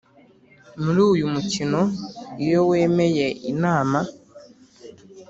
muri uyu mukino: “iyo wemeye inama...!”